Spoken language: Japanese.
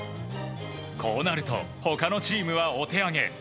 こうなると他のチームはお手上げ。